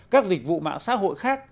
các dịch vụ mạng xã hội khác